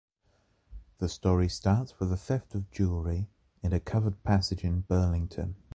The story starts with a theft of jewelry in a covered passage in Burlington.